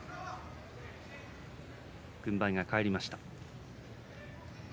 軍配が返りました。